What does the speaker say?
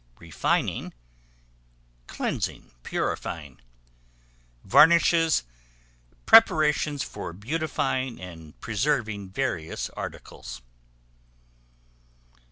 Refining, cleansing, purifying. Varnishes, preparations for beautifying and preserving various articles.